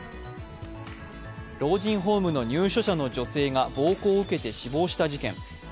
老人ホームの入所者の女性が暴行を受けて死亡した事件。